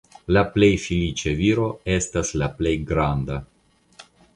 La plej feliĉa viro estas la plej granda.